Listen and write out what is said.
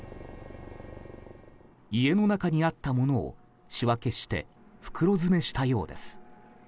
家の中にあったものを仕分けして袋詰めしたようです。